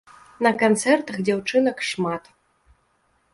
На канцэртах дзяўчынак шмат!